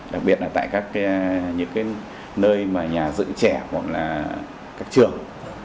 đặc biệt là tại các cái nơi mà nhà dự trẻ gọi là các trường